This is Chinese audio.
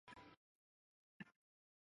位于湖北省宜昌市胜利三路。